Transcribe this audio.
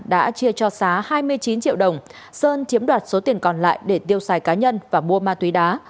đã chia cho xá hai mươi chín triệu đồng sơn chiếm đoạt số tiền còn lại để tiêu xài cá nhân và mua ma túy đá